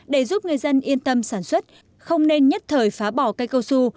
để giúp người dân yên tâm sản xuất không nên nhất thời phá bỏ cây cao su